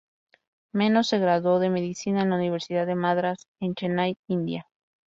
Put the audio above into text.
Menon se graduó de medicina en la Universidad de Madrás, en Chennai, India.